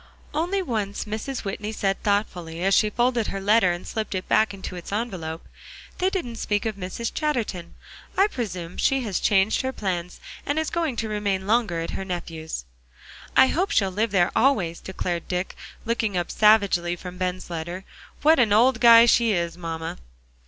Only once Mrs. Whitney said thoughtfully, as she folded her letter and slipped it back into its envelope, "They don't speak of Mrs. Chatterton. I presume she has changed her plans, and is going to remain longer at her nephew's." "I hope she'll live there always," declared Dick, looking up savagely from Ben's letter. "What an old guy she is, mamma!"